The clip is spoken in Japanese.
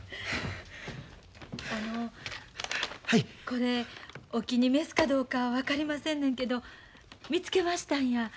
あのこれお気に召すかどうか分かりませんねんけど見つけましたんや。